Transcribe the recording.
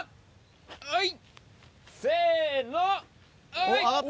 はい！